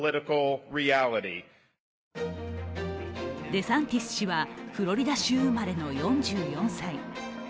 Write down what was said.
デサンティス氏はフロリダ州生まれの４４歳。